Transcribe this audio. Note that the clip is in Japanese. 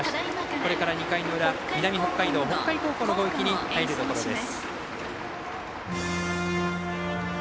これから２回の裏、南北海道の北海高校の攻撃へ入るところです。